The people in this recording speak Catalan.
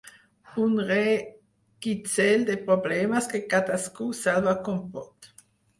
Un reguitzell de problemes que cadascú salva com pot.